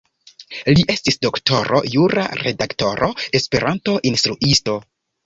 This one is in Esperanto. Li estis doktoro jura, redaktoro, Esperanto-instruisto.